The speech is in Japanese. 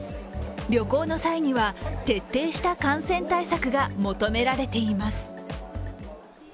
旅行の際には、徹底した感染対策が求められています。